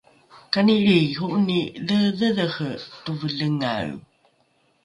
kani lriiho’oni dheedhedhere tovelengae?